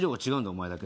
お前だけ。